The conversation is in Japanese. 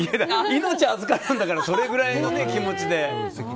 命、預かるんだからそれくらいの気持ちで。